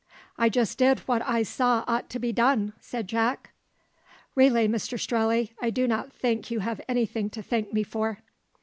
"I just did what I saw ought to be done," said Jack. "Really, Mr Strelley, I do not think you have anything to thank me for."